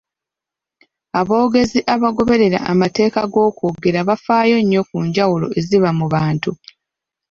Aboogezi abagoberera amateeka g’okwogera bafaayo nnyo ku njawulo eziba mu bantu.